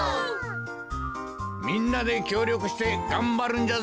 みんなできょうりょくしてがんばるんじゃぞ。